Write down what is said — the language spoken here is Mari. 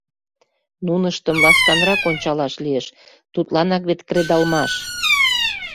Нуныштым ласканрак ончалаш лиеш - тудланак вет кредалмаш.